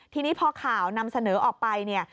ทีนี้พอข่าวนำเสนอออกไป